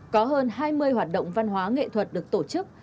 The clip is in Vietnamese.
có hơn hai mươi hoạt động văn hóa nghệ thuật được tổ chức